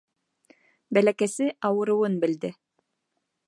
Бәләкәсе ауырыуын белде.